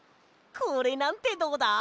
これなんてどうだ？